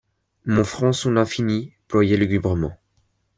Mon front sous l’infini ployait lugubrement.